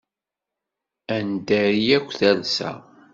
Ad neddari akk talsa.